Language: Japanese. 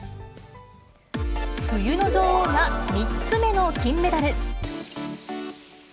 冬の女王が３つ目の金メダル。